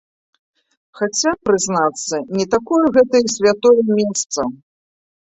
Хаця, прызнацца, не такое гэта і святое месца.